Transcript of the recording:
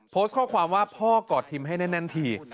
โพสต์ข้อความว่าพ่อกอดทิมให้แน่นที